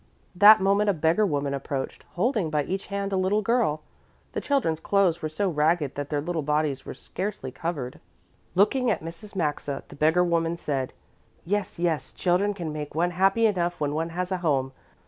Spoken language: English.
That moment a beggar woman approached, holding by each hand a little girl. The children's clothes were so ragged that their little bodies were scarcely covered. Looking at Mrs. Maxa, the beggar woman said, "Yes, yes, children can make one happy enough when one has a home.